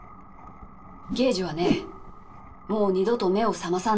ゲージはねもうにどとめをさまさない。